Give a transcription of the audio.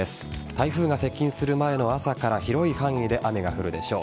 台風が接近する前の朝から広い範囲で雨が降るでしょう。